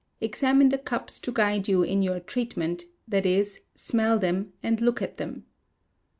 Examine the cups to guide you in your treatment; that is, smell them, and look at them.